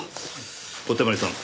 小手鞠さん